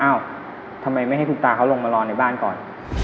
ทำไมไม่ให้คุณตาเขาลงมารอในบ้านก่อน